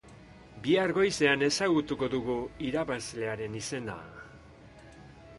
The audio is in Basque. Bihar goizean ezagutuko dugu irabazlearen izena!